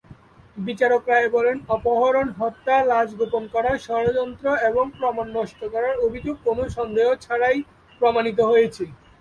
বিচারক রায়ে বলেন, অপহরণ, হত্যা, লাশ গোপন করা, ষড়যন্ত্র এবং প্রমাণ নষ্ট করার অভিযোগ কোন সন্দেহ ছাড়াই প্রমাণিত হয়েছে।